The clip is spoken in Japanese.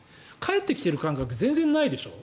返ってきてる感覚ないでしょ。